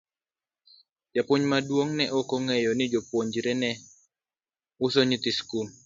Japuonj maduong' ne ok ong'eyo ni jopuonjre ne uso nyithi skul.